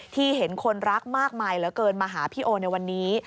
เห็นคนรักมากมายเหลือเกินมาหาพี่โอในวันนี้